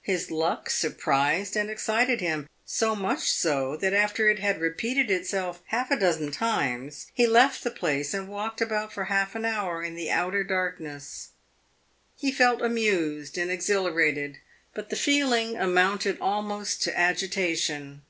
His luck surprised and excited him so much so that after it had repeated itself half a dozen times he left the place and walked about for half an hour in the outer darkness. He felt amused and exhilarated, but the feeling amounted almost to agitation.